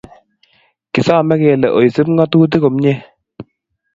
Kisame kelee oisib ngatutik komie